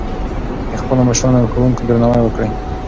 د خپلو مشرانو او ښوونکو درناوی وکړئ.